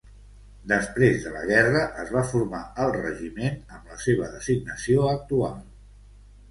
Després de la guerra, es va formar el regiment amb la seva designació actual.